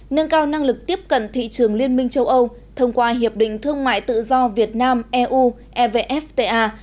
nâng cao năng lực tiếp cận thị trường liên minh châu âu thông qua hiệp định thương mại tự do việt nam eu evfta